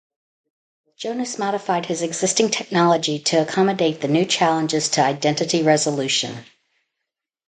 Jonas modified his existing technology to accommodate the new challenges to identity resolution.